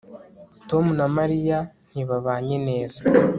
tom na mariya ntibabanye neza